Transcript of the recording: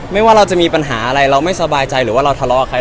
ว่าเราจะมีปัญหาอะไรเราไม่สบายใจหรือว่าเราทะเลาะกับใคร